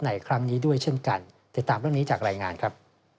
ในครั้งนี้ด้วยเช่นกันติดตามเรื่องนี้จากรายงานครับ